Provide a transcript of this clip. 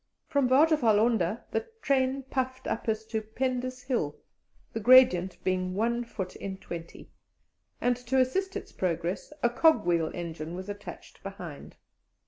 From Waterfall Onder the train puffed up a stupendous hill, the gradient being one foot in twenty, and to assist its progress a cogwheel engine was attached behind.